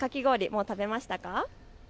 もう食べましたか。